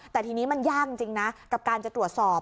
แต่ทีนี้มันยากจริงนะกับการจะตรวจสอบ